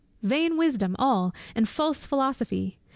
'" "Vain wisdom all, and false philosophy!"